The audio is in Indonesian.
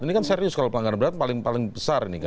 ini kan serius kalau pelanggaran berat paling besar ini kan